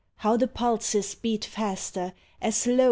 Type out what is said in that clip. how the pulses beat faster, as, lo !